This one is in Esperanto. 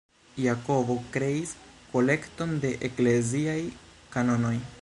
Jakobo kreis "kolekton de ekleziaj kanonoj".